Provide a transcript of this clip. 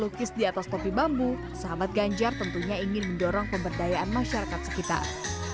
lukis di atas topi bambu sahabat ganjar tentunya ingin mendorong pemberdayaan masyarakat sekitar